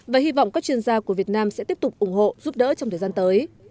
và hy vọng các chuyên gia của việt nam sẽ tiếp tục ủng hộ giúp đỡ trong thời gian tới